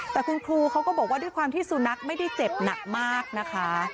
แต่คุณครูเขาก็บอกว่าด้วยความที่สุนัขไม่ได้เจ็บหนักมากนะคะ